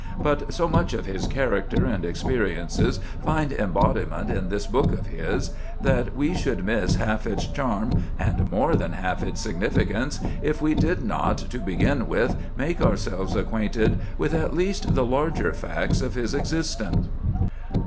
But so much of his character and experiences find embodiment in this book of his, that we should miss half its charm and more than half its significance, if we did not, to begin with, make ourselves acquainted with at least the larger facts of his existence.